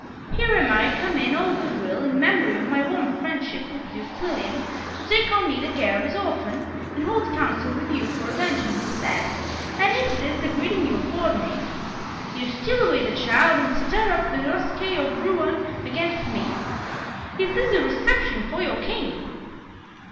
"Here am I come in all good will, in memory of my warm friendship with Duke William, to take on me the care of his orphan, and hold council with you for avenging his death, and is this the greeting you afford me? You steal away the child, and stir up the rascaille of Rouen against me. Is this the reception for your King?"